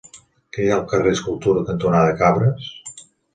Què hi ha al carrer Escultura cantonada Cabres?